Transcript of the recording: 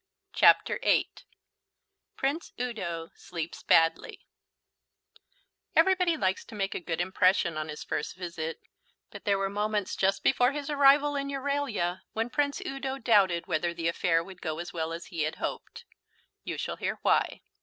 CHAPTER VIII PRINCE UDO SLEEPS BADLY Everybody likes to make a good impression on his first visit, but there were moments just before his arrival in Euralia when Prince Udo doubted whether the affair would go as well as he had hoped. You shall hear why.